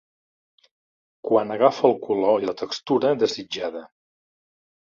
Quan agafa el color i la textura desitjada.